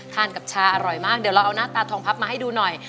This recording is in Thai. กับชาอร่อยมากเดี๋ยวเราเอาหน้าตาทองพับมาให้ดูหน่อย